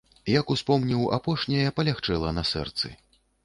Як успомніў апошняе, палягчэла на сэрцы.